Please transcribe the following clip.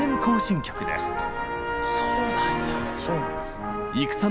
そうなんだ。